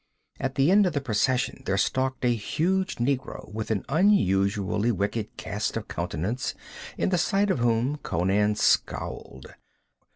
At the end of the procession there stalked a huge negro with an unusually wicked cast of countenance, at the sight of whom Conan scowled.